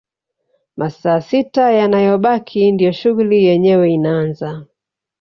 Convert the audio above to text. Masaa sita yanayobaki ndio shughuli yenyewe inaaza